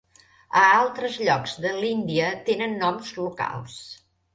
A altres llocs de l'Índia tenen noms locals.